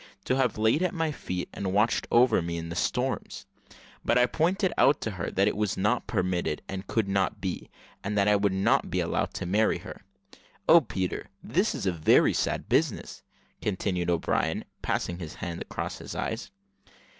to have laid at my feet and watched over me in the storms; but I pointed out to her that it was not permitted, and could not be, and that I would not be allowed to marry her. Oh, Peter! this is a very sad business," continued O'Brien, passing his hand across his eyes.